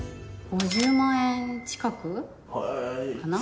５０万円近く？かな。